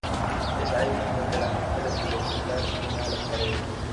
Es ahí donde la gente le pidió pintar una de las paredes.